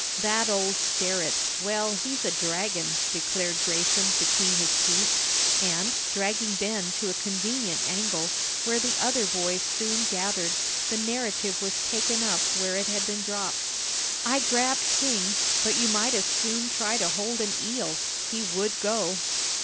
"That old Sterrett, well, he's a dragon," declared Grayson, between his teeth, and, dragging Ben to a convenient angle, where the other boys soon gathered, the narrative was taken up where it had been dropped. "I grabbed King, but you might as soon try to hold an eel. He would go."